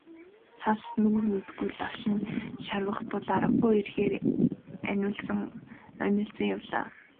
Цас нүүр нүдгүй лавшин шавах тул аргагүйн эрхээр анивалзан онилзон явлаа.